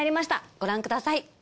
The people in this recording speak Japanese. ご覧ください。